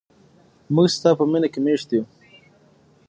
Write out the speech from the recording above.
موږ په ستا مینه کې میشته یو.